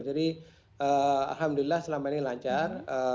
alhamdulillah selama ini lancar